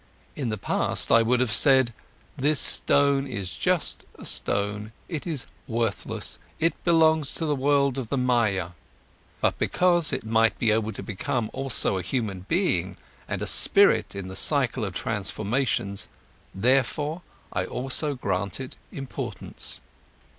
In the past, I would have said: This stone is just a stone, it is worthless, it belongs to the world of the Maya; but because it might be able to become also a human being and a spirit in the cycle of transformations, therefore I also grant it importance.